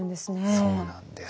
そうなんです。